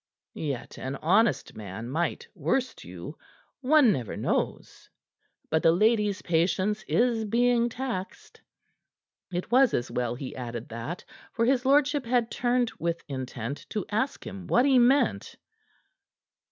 "Yet an honest man might worst you. One never knows. But the lady's patience is being taxed." It was as well he added that, for his lordship had turned with intent to ask him what he meant.